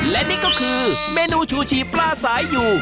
และนี่ก็คือเมนูชูชีปลาสายอยู่